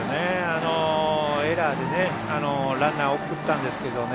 エラーでランナーを送ったんですけどね